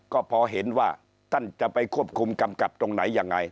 ก็พอเห็นว่าท่านจะไปควบคุมกำกับตรงไหนยังไง